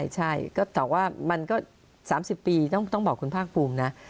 ใช่ก็ตอบว่ามันก็๓๐ปีต้องบอกคุณภาคภูมินะ